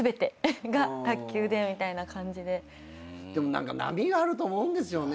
でも何か波があると思うんですよね。